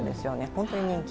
本当に人気。